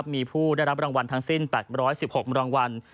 มีผู้ได้รับรางวัลทั้งสิ้น๘๑๖รางวัล